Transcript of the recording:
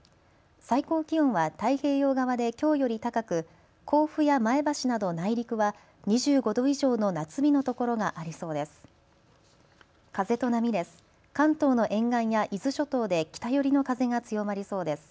最高気温は太平洋側できょうより高く甲府や前橋など内陸は２５度以上の夏日の所がありそうです。